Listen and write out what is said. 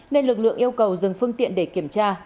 nên lực lượng yêu cầu dừng phương tiện để kiểm tra